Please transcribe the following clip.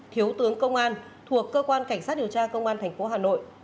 thiếu tướng công an thuộc cơ quan cảnh sát điều tra công an tp hà nội